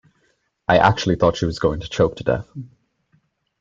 I actually thought she was going to choke to death.